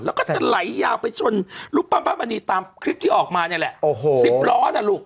แล้วก็จะไหลยาวไปชนรูปปั้นพระมณีตามคลิปที่ออกมาเนี่ยแหละโอ้โหสิบล้อน่ะลูก